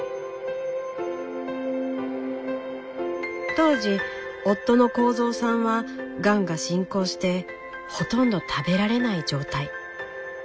当時夫の幸三さんはがんが進行してほとんど食べられない状態。